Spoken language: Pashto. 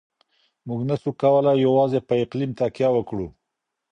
موږ نسو کولای يوازې په اقليم تکيه وکړو.